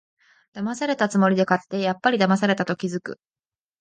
だまされたつもりで買って、やっぱりだまされたと気づく